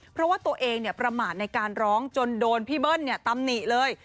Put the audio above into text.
เพราะว่าตัวเองเนี่ยประหมาตในการร้องจนโดนพี่เบิ้ลเนี่ยตำหนีเลย